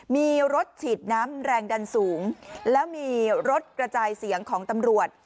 มีรถฉีดน้ำแรงดันสูงแล้วมีรถกระจายเสียงของตำรวจ